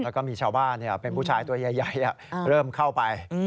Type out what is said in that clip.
แล้วก็มีชาวบ้านเป็นผู้ชายตัวใหญ่เริ่มเข้าไป